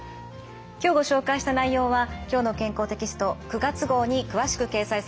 今日ご紹介した内容は「きょうの健康」テキスト９月号に詳しく掲載されています。